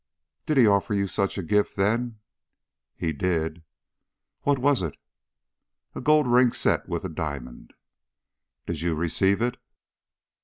"Did he offer you such a gift then?" "He did." "What was it?" "A gold ring set with a diamond." "Did you receive it?"